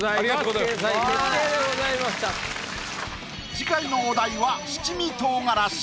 次回のお題は「七味唐辛子」。